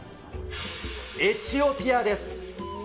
エチオピアです。